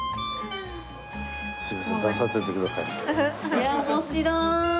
いや面白い！